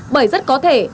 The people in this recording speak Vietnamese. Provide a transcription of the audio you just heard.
bởi rất có thể